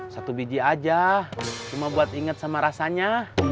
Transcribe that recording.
satu biji aja cuma buat inget sama rasanya